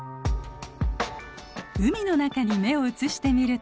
海の中に目を移してみると。